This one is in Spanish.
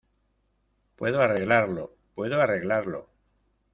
puedo arreglarlo. puedo arreglarlo .